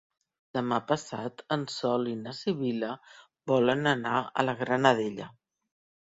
Demà passat en Sol i na Sibil·la volen anar a la Granadella.